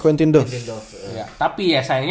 quintin doff tapi ya sayangnya